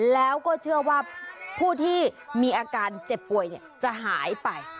แล้วก็เชื่อว่าผู้ที่มีอาการเจ็บป่วยจะหายไป